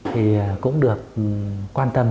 thì cũng được quan tâm